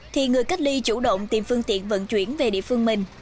thì người cách ly chủ động tìm phương tiện vận chuyển về địa phương mình